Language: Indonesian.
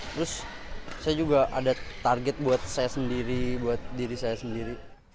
terus saya juga ada target buat saya sendiri buat diri saya sendiri